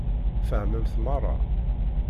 Fehment meṛṛa?